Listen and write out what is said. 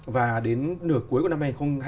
và đến nửa cuối của năm hai nghìn một mươi tám